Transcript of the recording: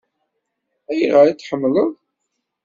Ayɣer i t-tḥemmleḍ?